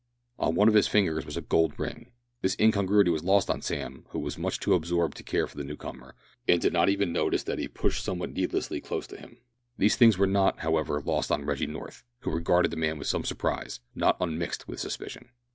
On one of his fingers was a gold ring. This incongruity was lost on Sam, who was too much absorbed to care for the new comer, and did not even notice that he pushed somewhat needlessly close to him. These things were not, however, lost on Reggie North, who regarded the man with some surprise, not unmixed with suspicion.